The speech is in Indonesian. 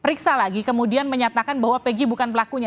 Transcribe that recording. periksa lagi kemudian menyatakan bahwa peggy bukan pelakunya